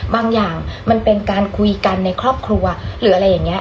บางอย่างมันเป็นการคุยกันในครอบครัวหรืออะไรอย่างนี้